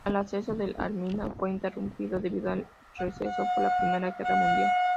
El ascenso del Arminia fue interrumpido debido al receso por la Primera Guerra Mundial.